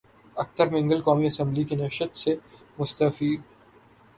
اختر مینگل قومی اسمبلی کی نشست سے مستعفی